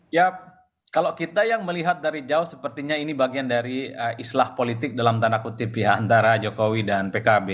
ya kalau kita yang melihat dari jauh sepertinya ini bagian dari islah politik dalam tanda kutip ya antara jokowi dan pkb